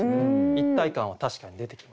一体感は確かに出てきますね。